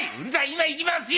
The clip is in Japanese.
今行きますよ！